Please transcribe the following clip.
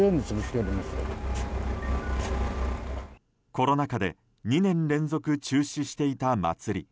コロナ禍で２年連続中止していた祭り。